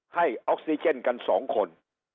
ให้ออกซิเจนกัน๒คน